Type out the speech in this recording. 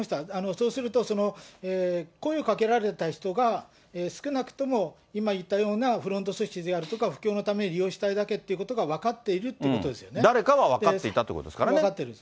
そうすると、声をかけられた人が、少なくとも今言ったようなフロント組織であるとか、布教のために利用したいだけということが分かっているってことで誰かは分かっていたというこ分かってる。